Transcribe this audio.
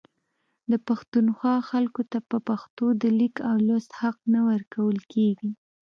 د پښتونخوا خلکو ته په پښتو د لیک او لوست حق نه ورکول کیږي